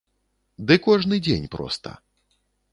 Ды кожны дзень проста!